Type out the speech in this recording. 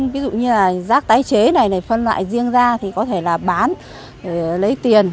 ví dụ như rác tái chế này phân loại riêng ra thì có thể là bán để lấy tiền